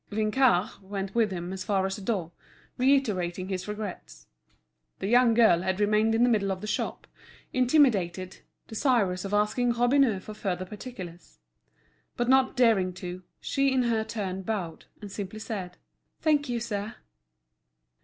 Vinçard went with him as far as the door, reiterating his regrets. The young girl had remained in the middle of the shop, intimidated, desirous of asking Robineau for further particulars. But not daring to, she in her turn bowed, and simply said: "Thank you, sir."